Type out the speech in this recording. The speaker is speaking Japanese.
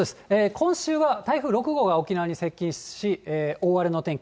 今週は台風６号が沖縄に接近し、大荒れの天気。